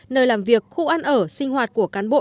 nơi làm việc khu ăn ở sinh hoạt của cán bộ